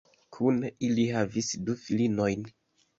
Kune ili havis du filinojn.